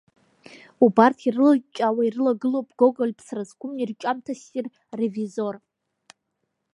Убарҭ ирылыҷҷаауа ирылагылоуп Гоголь ԥсра зқәым ирҿиамҭа ссир Ревизор.